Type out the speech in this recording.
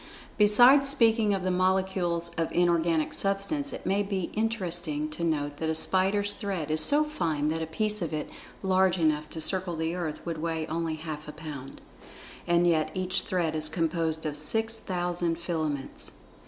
Besides speaking of the molecules of inorganic Substance, it may be interesting to note that a spider's thread is so fine that a piece of it large enough to circle the earth would weigh only half a pound. And yet each thread is composed of six thousand filaments.